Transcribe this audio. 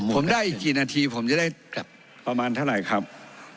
ผมได้อีกกี่นาทีผมจะได้กลับประมาณเท่าไหร่ครับ